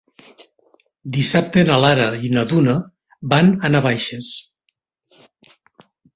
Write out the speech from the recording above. Dissabte na Lara i na Duna van a Navaixes.